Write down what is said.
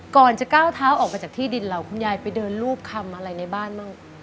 ก่อนจะก้าวเท้าออกมาจากที่ดินเราคุณยายไปเดินรูปคำอะไรในบ้านบ้าง